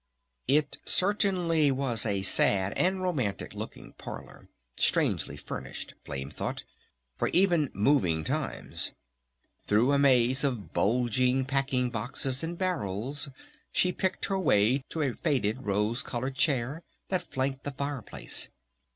It certainly was a sad and romantic looking parlor, and strangely furnished, Flame thought, for even "moving times." Through a maze of bulging packing boxes and barrels she picked her way to a faded rose colored chair that flanked the fire place.